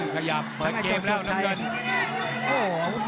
ขยับเปิดเกมแล้วน้ำเงิน